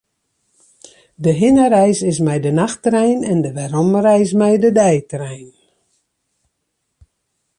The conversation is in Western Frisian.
De hinnereis is mei de nachttrein en de weromreis mei de deitrein.